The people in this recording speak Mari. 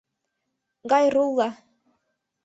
Гайрулла.